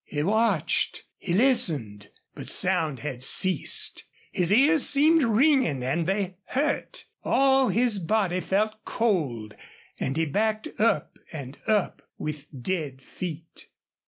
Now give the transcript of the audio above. He watched. He listened, but sound had ceased. His ears seemed ringing and they hurt. All his body felt cold, and he backed up and up, with dead feet.